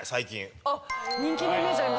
人気のイメージありますね。